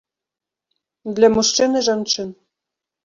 Для мужчын і жанчын.